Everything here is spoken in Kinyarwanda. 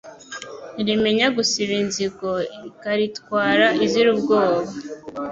Ntirimenya gusiba inzigo; Ikaritwara izira ubwoba :